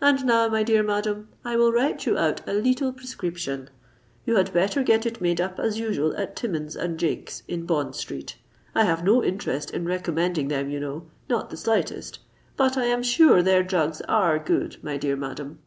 And now, my dear madam, I will write you out a leetle prescription. You had better get it made up as usual at Timmins and Jakes, in Bond Street. I have no interest in recommending them, you know—not the slightest;—but I am sure their drugs are good, my dear madam."